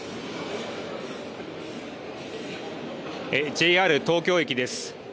ＪＲ東京駅です。